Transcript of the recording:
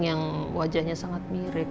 yang wajahnya sangat mirip